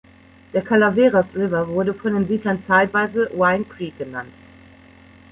Der Calaveras River wurde von den Siedlern zeitweise "Wine Creek" genannt.